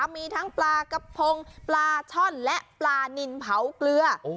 มีทั้งปลากระพงปลาช่อนและปลานินเผาเกลือ